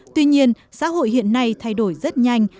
tuy nhiên xã hội hiện nay thay đổi rất nhanh